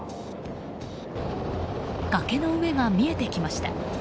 崖の上が見えてきました。